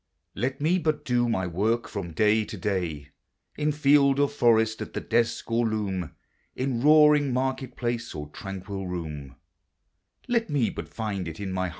Let me bul do my work from day to day, In field or forest, at the desk <>i loom, In roaring market place, or tranquil room; Let me bul find it in my bear!